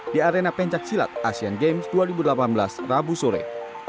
di arena pencak silat asean games dua ribu delapan belas rabu sore